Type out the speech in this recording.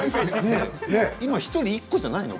今１人１個じゃないの？